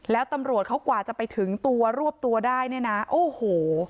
แล้วตำรวจเขากว่าจะไปถึงตัวรวบตัวได้เนี่ยนะโอ้โห